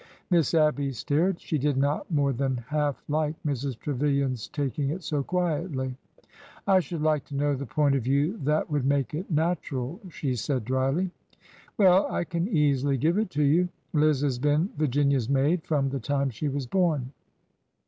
Miss Abby stared. She did not more than half like Mrs. Trevilian's taking it so quietly. I should like to know the point of view that would make it natural," she said dryly. '' Well, I can easily give it to you. Liz has been Vir ginia's maid from the time she was born.